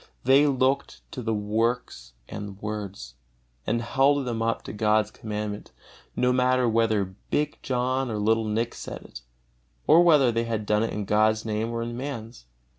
They looked on the works and words, and held them up to God's Commandment, no matter whether big John or little Nick said it, or whether they had done it in God's Name or in man's.